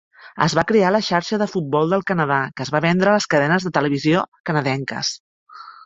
Es va crear la Xarxa de Futbol del Canadà, que es va vendre a les cadenes de televisió canadenques.